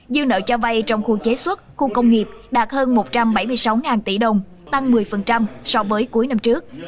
dư nợ cho vay trong khu chế xuất khu công nghiệp đạt hơn một trăm bảy mươi sáu tỷ đồng tăng một mươi so với cuối năm trước